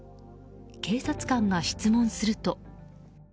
警察官が質問すると。